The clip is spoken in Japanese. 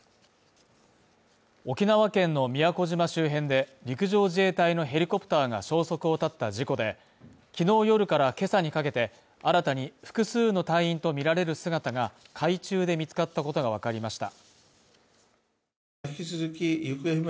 沖縄県の宮古島周辺で、陸上自衛隊のヘリコプターが消息を絶った事故で、昨日夜から今朝にかけて、新たに複数の隊員とみられる姿が海中で見つかったことがわかりました。